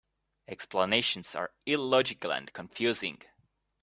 Explanations are illogical and confusing.